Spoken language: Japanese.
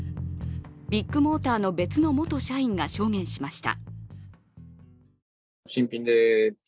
ビッグモーターの別の元社員が証言しました。